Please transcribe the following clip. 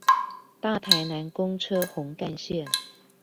大台南公車紅幹線